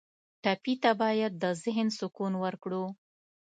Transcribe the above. ټپي ته باید د ذهن سکون ورکړو.